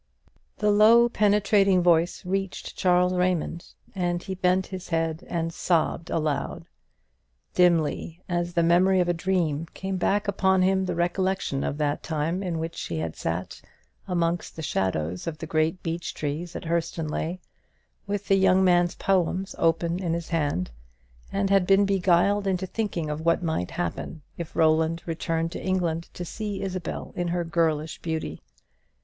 The low penetrating voice reached Charles Raymond, and he bent his head and sobbed aloud. Dimly, as the memory of a dream, came back upon him the recollection of that time in which he had sat amongst the shadows of the great beech trees at Hurstonleigh, with the young man's poems open in his hand, and had been beguiled into thinking of what might happen if Roland returned to England to see Isabel in her girlish beauty.